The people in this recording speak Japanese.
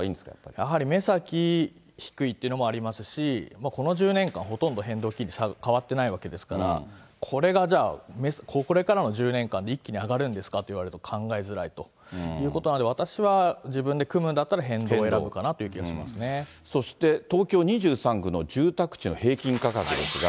やはり目先低いっていうのもありますし、この１０年間、ほとんど変動金利、変わってないわけですから、これがじゃあ、これからの１０年間で一気に上がるんですかと言われると、考えづらいということで、私は自分で組むんだったら、変動を選ぶかなとそして、東京２３区の住宅地の平均価格ですが。